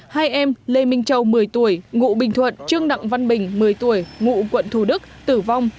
hai em lê minh châu một mươi tuổi ngụ bình thuận trương đặng văn bình một mươi tuổi ngụ quận thù đức tử vong